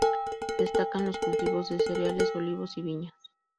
Destacan los cultivos de cereales, olivos y viñas.